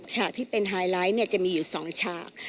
ฉากที่เป็นไฮไลท์จะมีอยู่๒ฉาก